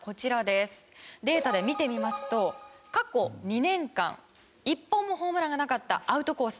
データで見てみますと過去２年間１本もホームランがなかったアウトコース